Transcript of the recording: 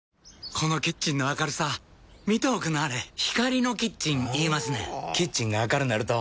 このキッチンの明るさ見ておくんなはれ光のキッチン言いますねんほぉキッチンが明るなると・・・